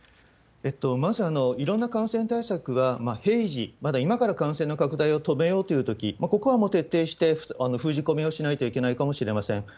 まず、いろんな感染対策は、平時、まだ今から感染の拡大を止めようというとき、ここはもう徹底して封じ込めをしないといけないかもしれません。